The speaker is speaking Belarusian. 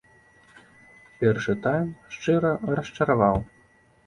Першы тайм шчыра расчараваў.